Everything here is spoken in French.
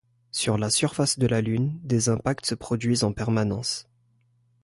Sur la surface de la Lune, des impacts se produisent en permanence.